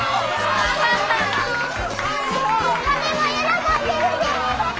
カメも喜んでるで！